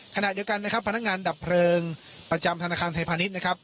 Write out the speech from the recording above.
ขณะเดียวกันนะครับพนักงานดับเพลิงประจำธนาคารไทยพาณิชย์นะครับ